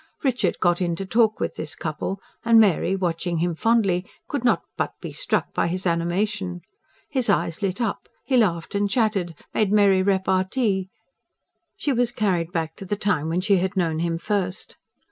Richard got into talk with this couple, and Mary, watching him fondly, could not but be struck by his animation. His eyes lit up, he laughed and chatted, made merry repartee: she was carried back to the time when she had known him first.